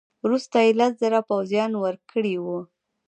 وروسته یې لس زره پوځیان ورکړي وه.